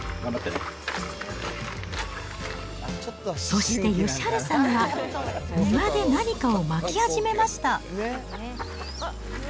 そして義治さんは、庭で何かをまき始めました。